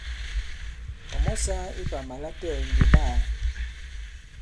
Ɔ̀ mɔ sāā ipàmà latɛɛ̀ ŋgè ɓaā.